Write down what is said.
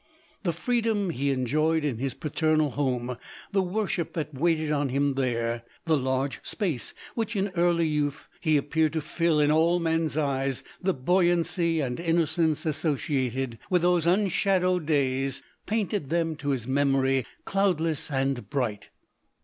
The freedom he enjoyed in his paternal home, the worship that waited on him there, the large space which in early youth he appeared to fill in all men's eyes, the buoyancy and innocence associated with those unshadowed days, painted them to his memory cloudless and bright.